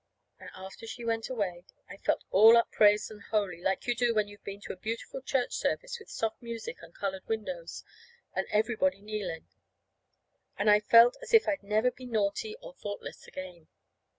And after she went away I felt all upraised and holy, like you do when you've been to a beautiful church service with soft music and colored windows, and everybody kneeling. And I felt as if I'd never be naughty or thoughtless again.